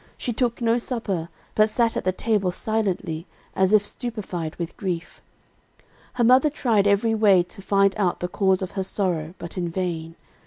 She took no supper, but sat at the table silently, as if stupefied with grief. "'Her mother tried every way to find out the cause of her sorrow; but in vain.